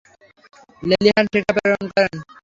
লেলিহান শিখা প্রেরণ করেন।